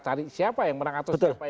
cari siapa yang menang atau siapa yang menang